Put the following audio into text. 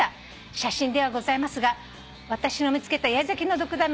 写真ではございますが私の見つけた八重咲きのドクダミ